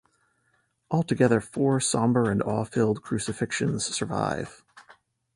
Altogether four somber and awe-filled Crucifixions survive.